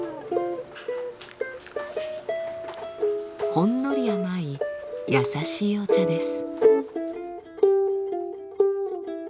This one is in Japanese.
ほんのり甘い優しいお茶です。